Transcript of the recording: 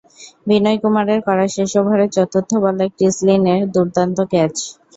বিনয় কুমারের করা শেষ ওভারের চতুর্থ বলে ক্রিস লিনের দুর্দান্ত ক্যাচ।